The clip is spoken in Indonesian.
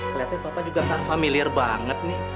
keliatan bapak juga tak familiar banget nih